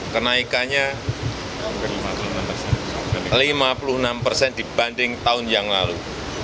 kenaikannya lima puluh enam persen dibanding tahun yang lalu